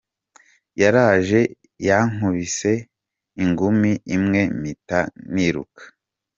Yaraje yankubise ingumi imwe mpita niruka.